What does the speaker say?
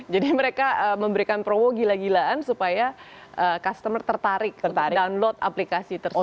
jadi mereka memberikan promo gila gilaan supaya customer tertarik download aplikasi tersebut